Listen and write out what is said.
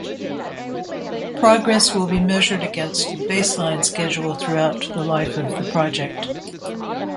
Progress will be measured against the baseline schedule throughout the life of the project.